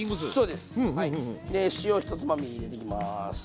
で塩１つまみ入れていきます。